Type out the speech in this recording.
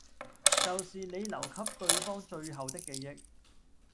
就是你留給對方最後的記憶